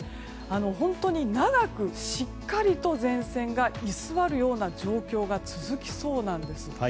本当に長くしっかりと前線が居座るような状況が続きそうなんです。